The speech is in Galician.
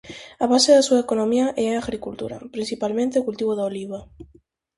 A base da súa economía é a agricultura, principalmente o cultivo da oliva.